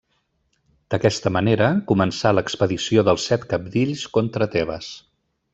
D'aquesta manera començà l'expedició dels Set Cabdills contra Tebes.